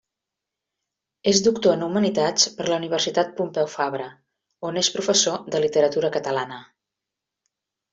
És doctor en humanitats per la Universitat Pompeu Fabra, on és professor de literatura catalana.